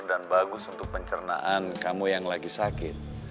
dan bagus untuk pencernaan kamu yang lagi sakit